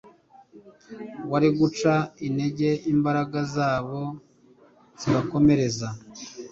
wari guca intege imbaraga zabo zibakomereza